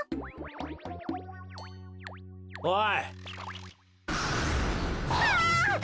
おい！